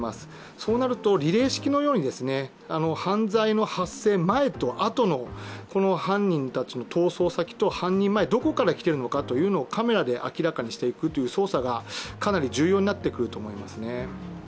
そうなると、リレー式のように犯罪の発生前と後のこの犯人たちの逃走先と、犯行前どこから来ているのかというのをカメラで明らかにしていく捜査がかなり重要になってくると思いますね。